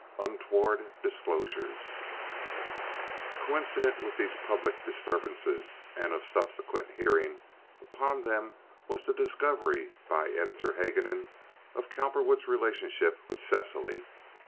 Untoward Disclosures Coincident with these public disturbances and of subsequent hearing upon them was the discovery by Editor Haguenin of Cowperwood's relationship with Cecily.